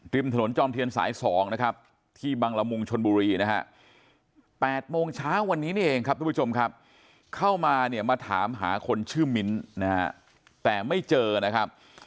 ถนนจอมเทียนสาย๒นะครับที่บังละมุงชนบุรีนะฮะ๘โมงเช้าวันนี้นี่เองครับทุกผู้ชมครับเข้ามาเนี่ยมาถามหาคนชื่อมิ้นนะฮะแต่ไม่เจอนะครับ